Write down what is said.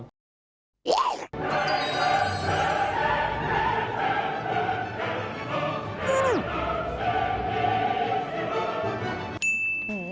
ริม